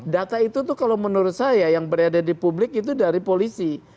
data itu tuh kalau menurut saya yang berada di publik itu dari polisi